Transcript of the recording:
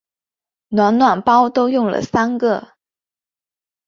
暖暖包都用了三个